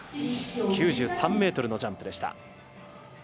９３ｍのジャンプでした。